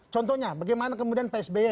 contohnya bagaimana kemudian psby